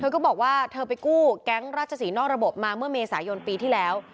ก็บอกว่าเธอไปกู้แก๊งราชศรีนอกระบบมาเมื่อเมษายนปีที่แล้ว